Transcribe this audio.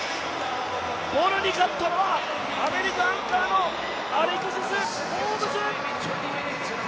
ボルに勝ったのはアメリカ、アンカーのアレクシス・ホームズ。